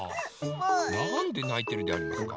なんでないてるでありますか？